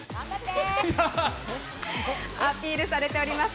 アピールされております。